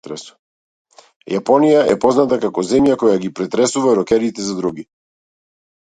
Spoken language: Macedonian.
Јапонија е позната како земја која ги претресува рокерите за дроги.